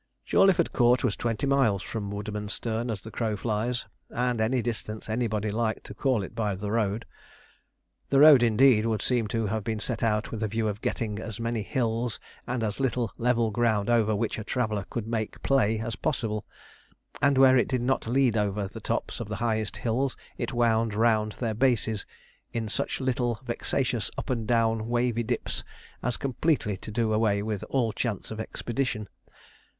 Jawleyford Court was twenty miles from Woodmansterne as the crow flies, and any distance anybody liked to call it by the road. The road, indeed, would seem to have been set out with a view of getting as many hills and as little level ground over which a traveller could make play as possible; and where it did not lead over the tops of the highest hills, it wound round their bases, in such little, vexatious, up and down, wavy dips as completely to do away with all chance of expedition.